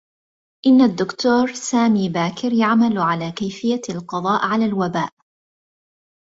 إنّ الدّكتور سامي باكر يعمل على كيفيّة القضاء على الوباء.